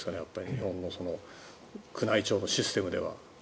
日本の宮内庁のシステムでは。